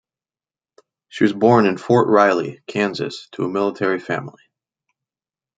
She was born in Fort Riley, Kansas to a military family.